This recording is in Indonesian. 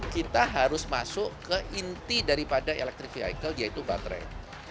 kita harus masuk ke inti daripada electric vehicle yaitu baterai